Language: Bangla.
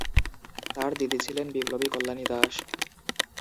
তার দিদি ছিলেন বিপ্লবী কল্যাণী দাস।